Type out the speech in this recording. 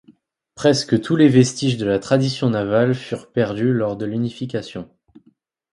Presque tous les vestiges de la tradition navale furent perdus lors de l'unification.